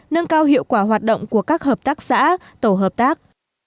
nâng cao hiệu quả hoạt động của các hợp tác xã tổ hợp tác